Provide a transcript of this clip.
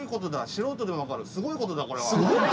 素人でも分かるすごいことだこれは。